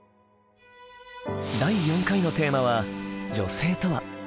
第４回のテーマは「女性とは」。